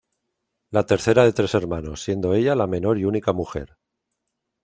La tercera de tres hermanos, siendo ella la menor y única mujer.